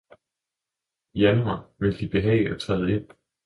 Januar, vil De behage at træde ind!